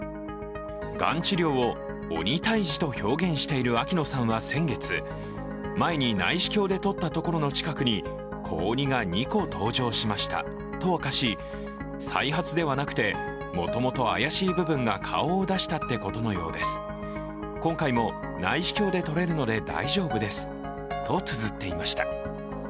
がん治療を鬼退治と表現している秋野さんは先月、前に内視鏡でとったところの近くに子鬼が２個登場しましたと明かし、再発ではなくてもともと怪しい部分が顔を出したってことのようです、今回も内視鏡でとれるので大丈夫ですとつづっていました。